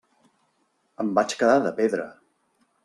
Em vaig quedar de pedra.